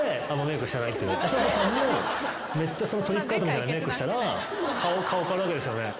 あさこさんもトリックアートみたいなメークしたら顔変わるわけですよね。